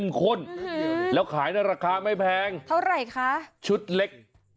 โอ้โห